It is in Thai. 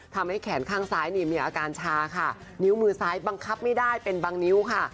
ทำให้แขนข้างซ้ายนี่มีอาการชาค่ะนิ้วมือซ้ายบังคับไม่ได้เป็นบางนิ้วค่ะ